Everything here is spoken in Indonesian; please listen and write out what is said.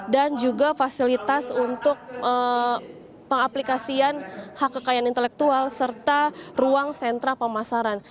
dan juga fasilitas untuk pengaplikasian hak kekayaan intelektual serta ruang sentra pemasaran